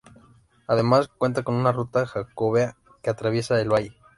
Además cuenta con una ruta jacobea que atraviesa el valle.